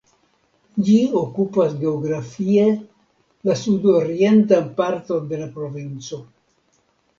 Ĝi okupas geografie la sudorientan parton de la provinco.